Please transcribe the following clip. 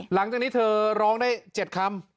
หลังจากนี้เธอร้องได้๗คำ